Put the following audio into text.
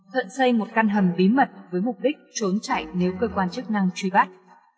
thận xây một căn hầm bí mật với mục đích trốn chạy nếu cơ quan chức năng truy bắt